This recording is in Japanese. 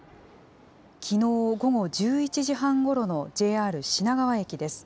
きのう午後１１時半ごろのＪＲ品川駅です。